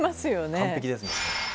完璧です